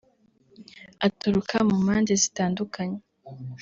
aturuka mu mpande zitandukanye